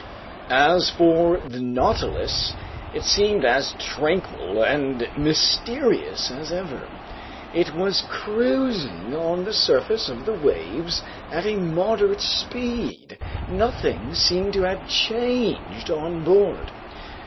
As for the Nautilus, it seemed as tranquil and mysterious as ever. It was cruising on the surface of the waves at a moderate speed. Nothing seemed to have changed on board.